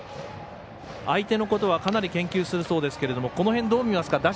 相手のことはかなり研究するそうですがこの辺、どう見ますか。